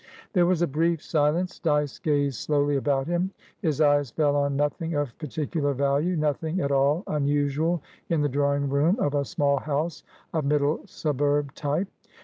There was a brief silence. Dyce gazed slowly about him. His eyes fell on nothing of particular value, nothing at all unusual in the drawing room of a small house of middle suburb type.